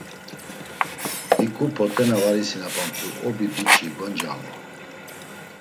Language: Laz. Hiǩu p̌ot̆e na var isinapamt̆u Obi p̌ici goncamu.